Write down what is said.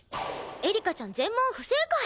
エリカちゃん全問不正解！